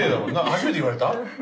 初めて言われた？